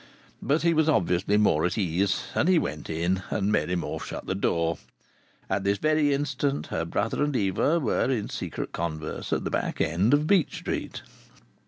But he was obviously more at ease, and he went in, and Mary Morfe shut the door. At this very instant her brother and Eva were in secret converse at the back end of Beech Street.